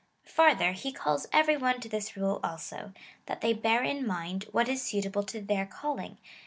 Farther, he calls every one to this rule also — that they bear in mind what is suitable to their calling.